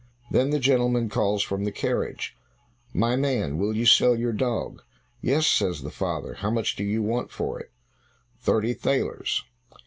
Then the gentleman calls from the carriage, "My man, will you sell your dog?" "Yes," says the father. "How much do you want for it?" "Thirty thalers."